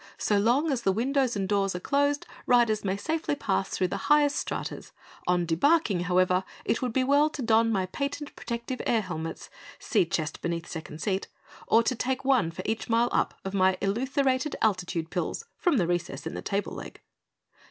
"So long as the windows and doors are closed, riders may safely pass through the highest stratas. On debarking, however, it would be well to don my patent protective air helmets, see chest beneath second seat, or to take one, for each mile up, of my elutherated altitude pills, from the recess in the table leg."